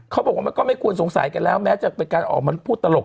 เขาก็ไม่ควรสงสัยกันแล้วแม้จะเป็นการออกมาพูดตลก